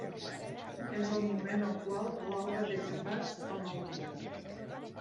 És el moment al qual l'alba deixa pas al nou dia.